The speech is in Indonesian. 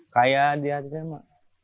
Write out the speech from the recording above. kayak di hati saya